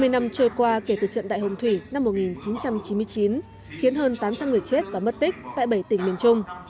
hai mươi năm trôi qua kể từ trận đại hồng thủy năm một nghìn chín trăm chín mươi chín khiến hơn tám trăm linh người chết và mất tích tại bảy tỉnh miền trung